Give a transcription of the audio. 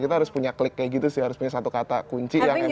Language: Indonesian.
kita harus punya klik kayak gitu sih harus punya satu kata kunci yang